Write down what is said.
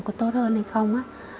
có tốt hơn hay không